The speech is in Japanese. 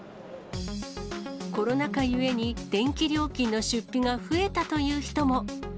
コロナ禍ゆえに、電気料金の出費が増えたという人も。